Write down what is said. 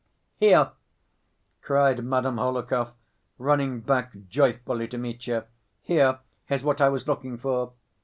"Here!" cried Madame Hohlakov, running back joyfully to Mitya, "here is what I was looking for!"